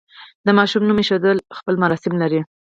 د ماشوم نوم ایښودل خپل مراسم لري.